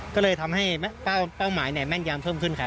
ก็เลยทำให้เป้าหมายแม่นยามเพิ่มขึ้นครับ